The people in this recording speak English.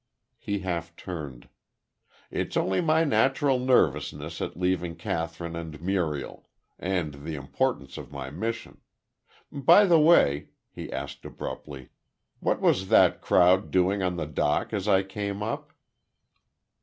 He half turned. "It's only my natural nervousness at leaving Kathryn and Muriel and the importance of my mission. By the way," he asked, abruptly, "what was that crowd doing on the dock as I came up?"